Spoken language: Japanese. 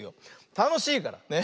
たのしいから。ね。